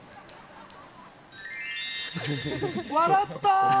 笑った！